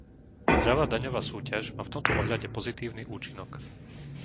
Zdravá daňová súťaž má v tomto ohľade pozitívny účinok.